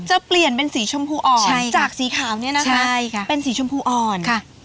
จะเปลี่ยนเป็นสีชมพูอ่อนจากสีขาวเนี่ยนะคะเป็นสีชมพูอ่อนค่ะ